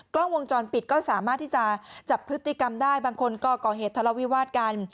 กล้องวงจรปิดก็สามารถที่จะจับพฤติกรรมได้บางคนก็ก่อเหตุทะเลาวิวาสกัน